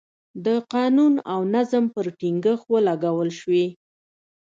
د قانون او نظم پر ټینګښت ولګول شوې.